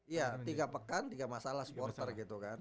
iya tiga pekan tiga masalah supporter gitu kan